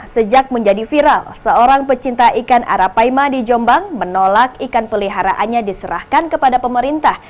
sejak menjadi viral seorang pecinta ikan arapaima di jombang menolak ikan peliharaannya diserahkan kepada pemerintah